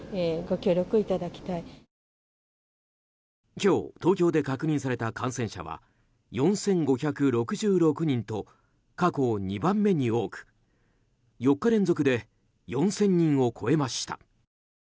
今日、東京で確認された感染者は４５６６人と過去２番目に多く４日連続で４０００人を超えました。